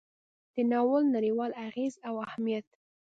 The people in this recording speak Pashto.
د ناول نړیوال اغیز او اهمیت: